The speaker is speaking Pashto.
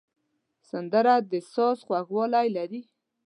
سندره د ساز خوږوالی لري